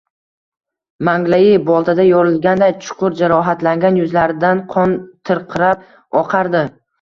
Manglayi boltada yorilganday chuqur jarohatlangan, yuzlaridan qon tirqirab oqardi